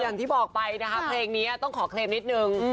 อย่างที่บอกไปนะคะเพลงนี้ต้องขอเคลมนิดนึง